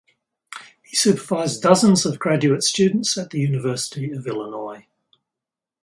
He supervised dozens of graduate students at the University of Illinois.